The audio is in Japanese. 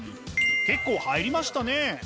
結構入りましたね。